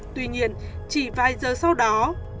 tuy nhiên chỉ vài giờ sau đó hung thủ máu lạnh đã bị chết